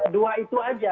dua itu saja